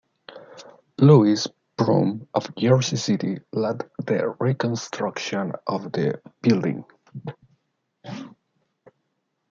Lewis Broome, of Jersey City led the reconstruction of the building.